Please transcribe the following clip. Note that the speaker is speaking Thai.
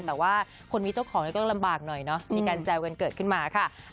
แต่ว่าคนมีเจ้าของก็ต้องลำบากหน่อยเนอะ